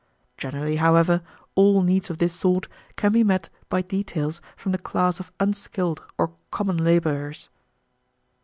Generally, however, all needs of this sort can be met by details from the class of unskilled or common laborers."